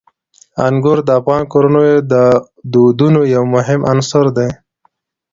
انګور د افغان کورنیو د دودونو یو مهم عنصر دی.